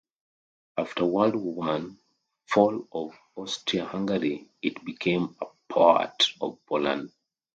After World War One, fall of Austria-Hungary it became a part of Poland.